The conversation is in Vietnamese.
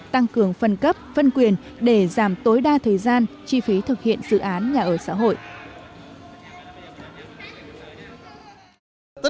tăng cường phân cấp phân quyền để giảm tối đa thời gian chi phí thực hiện dự án nhà ở xã hội